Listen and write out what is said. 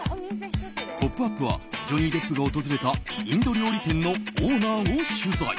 「ポップＵＰ！」はジョニー・デップが訪れたインド料理店のオーナーを取材。